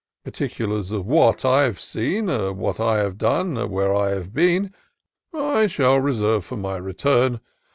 Particulars of what I've seen. What I have done, where I have been, I shall reserve for my return.